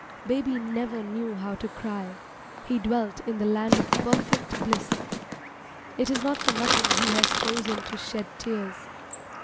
Baby never knew how to cry. He dwelt in the land of perfect bliss. It is not for nothing he has chosen to shed tears.